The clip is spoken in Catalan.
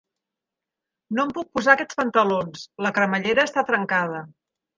No em puc posar aquests pantalons: la cremallera està trencada